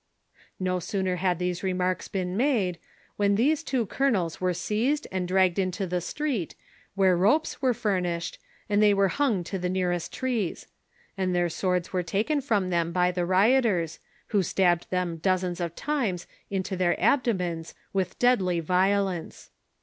;No sooner had these remarks been made, when these two colonels were seized and dragged into the street, where ropes were furnished, and they were hung to the nearest trees ; and their swords were taken from them by the rioters, Avho stabbed them dozens of times into their abdo mens with deathly violence.